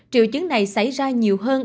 triệu chứng này xảy ra nhiều hơn